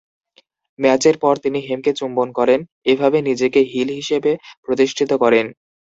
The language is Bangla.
ম্যাচের পর তিনি হেমকে চুম্বন করেন, এভাবে নিজেকে হিল হিসেবে প্রতিষ্ঠিত করেন।